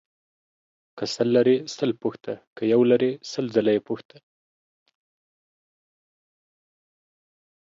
که سل لرې سل پوښته ، که يو لرې سل ځله يې پوښته.